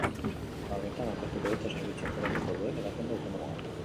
Gaur bertan aurkeztu dute zerbitzua antolatuko duen erakunde autonomoa.